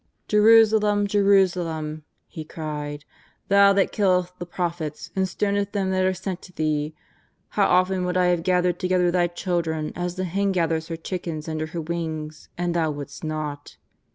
" Jerusalem ! Jerusalem !'' He cried, ^^ thou that kill est the prophets and stonest them that are sent to thee, how often would I have gathered together thy children as the hen gathers her chickens under her wings and thou wouldst not.